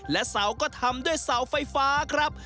และเสาก็ทำด้วยเสาไฟฟ้าครับ